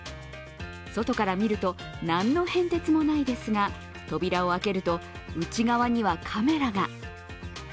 外から見ると、何の変哲もないですが、扉を開けると、内側にはカメラが。